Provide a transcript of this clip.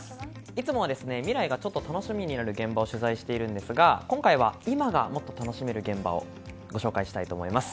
いつもは未来がちょっと楽しみになる現場を取材しているんですが今回は今をもっと楽しめる現場をご紹介したいと思います。